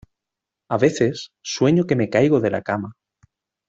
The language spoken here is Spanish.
A veces sueño que me caigo de la cama.